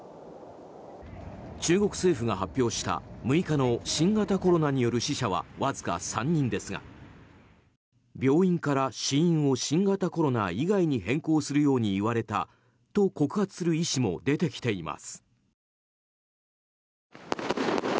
中国政府が発表した６日の新型コロナによる死者はわずか３人ですが病院から死因を新型コロナ以外に変更するように言われたと告発する医師も出てきています。